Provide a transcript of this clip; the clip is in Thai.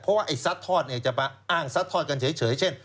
เพราะว่าไอ้สัตว์ทอดจะมาอ้างสัตว์ทอดกันเฉยเช่น